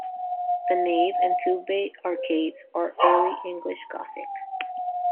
The nave and two-bay arcades are Early English Gothic.